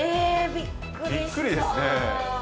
びっくりですね。